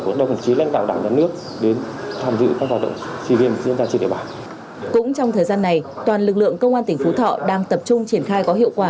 cũng trong thời gian này toàn lực lượng công an tỉnh phú thọ đang tập trung triển khai có hiệu quả